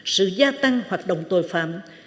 sự gia tăng hoạt động tội phạm